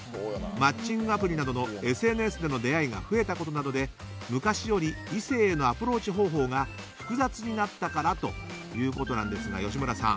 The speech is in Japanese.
マッチングアプリなどのＳＮＳでの出会いが増えたことなどで、昔より異性へのアプローチ方法が複雑になったからということですが吉村さん